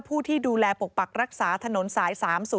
ผู้ที่ดูแลปกปักรักษาถนนสาย๓๐